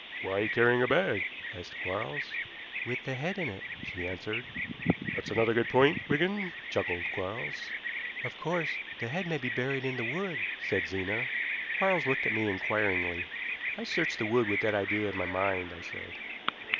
"Why carrying a bag?" asked Quarles. "With the head in it," she answered. "That's another good point, Wigan," chuckled Quarles. "Of course, the head may be buried in the wood," said Zena. Quarles looked at me inquiringly. "I searched the wood with that idea in my mind," I said.